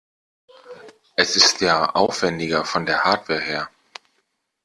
Es ist ja aufwendiger von der Hardware her.